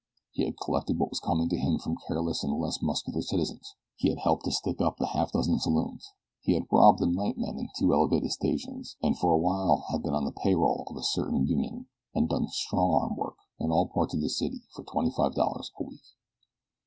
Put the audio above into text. He had collected what was coming to him from careless and less muscular citizens. He had helped to stick up a half dozen saloons. He had robbed the night men in two elevated stations, and for a while had been upon the pay roll of a certain union and done strong arm work in all parts of the city for twenty five dollars a week.